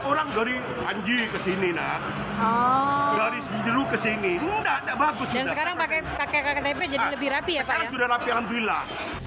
sekarang sudah rapi alhamdulillah